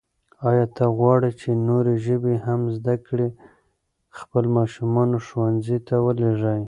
آیا ته غواړې چې نورې ژبې هم زده کړې؟ خپل ماشومان ښوونځیو ته ولېږئ.